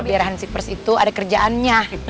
biar hansipers itu ada kerjaannya